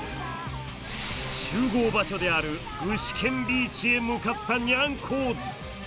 集合場所である具志堅ビーチへ向かったニャンコーズ。